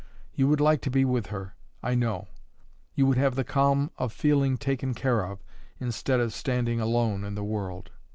You would like to be with her, I know; you would have the calm of feeling taken care of, instead of standing alone in the world."